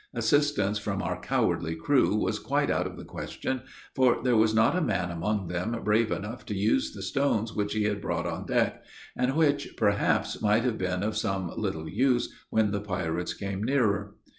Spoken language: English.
Assistance from our cowardly crew was quite out of the question, for there was not a man among them brave enough to use the stones which he had brought on deck; and which, perhaps, might have been of some little use when the pirates came nearer.